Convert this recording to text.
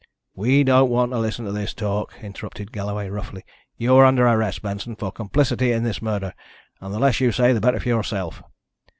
"We don't want to listen to this talk," interrupted Galloway roughly. "You are under arrest, Benson, for complicity in this murder, and the less you say the better for yourself."